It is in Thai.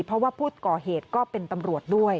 เพราะว่าผู้ก่อเหตุก็เป็นตำรวจด้วย